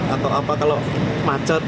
atau apa kalau macet